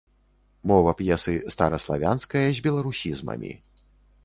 Мова п'есы стараславянская з беларусізмамі.